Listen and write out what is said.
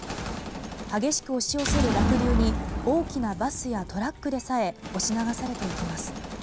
激しく押し寄せる濁流に大きなバスやトラックでさえ押し流されていきます。